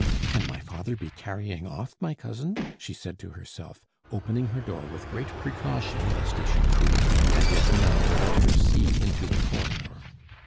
"Can my father be carrying off my cousin?" she said to herself, opening her door with great precaution lest it should creak, and yet enough to let her see into the corridor.